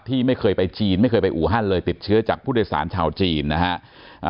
ที่ไม่เคยไปจีนไม่เคยไปอูฮันเลยติดเชื้อจากผู้โดยสารชาวจีนนะฮะ